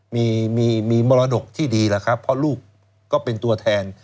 มีมีมรดกที่ดีแล้วครับเพราะลูกก็เป็นตัวแทน